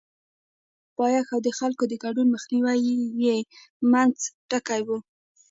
د واک پایښت او د خلکو د ګډون مخنیوی یې منځ ټکی و.